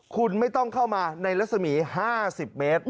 คุณไม่ต้องเข้ามาในรัศมี๕๐เมตร